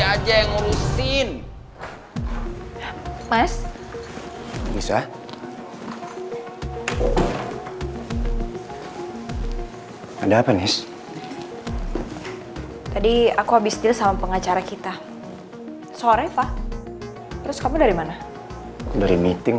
ada apa nis tadi aku habis deal sama pengacara kita sore pak terus kamu dari mana dari meeting